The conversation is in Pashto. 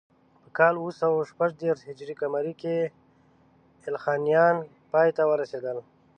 په کال اوه سوه شپږ دېرش هجري قمري کې ایلخانیان پای ته ورسېدل.